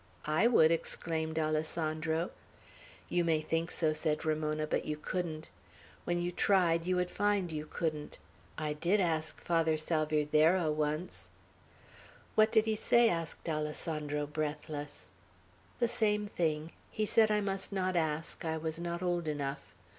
"I would!" exclaimed Alessandro. "You may think so," said Ramona, "but you couldn't. When you tried, you would find you couldn't. I did ask Father Salvierderra once." "What did he say?" asked Alessandro, breathless. "The same thing. He said I must not ask; I was not old enough.